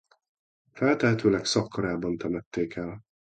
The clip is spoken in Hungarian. Feltehetőleg Szakkarában temették el.